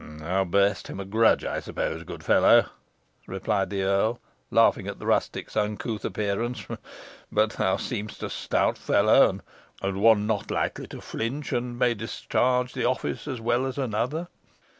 "Thou bears't him a grudge, I suppose, good fellow," replied the earl, laughing at the rustic's uncouth appearance; "but thou seem'st a stout fellow, and one not likely to flinch, and may discharge the office as well as another.